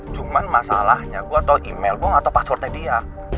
cuman masalahnya gue tau email gue gue gak tau passwordnya dia